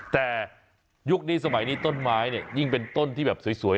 แต่ยุคนี้สมัยนี้ต้นไม้เนี่ยยิ่งเป็นต้นที่แบบสวย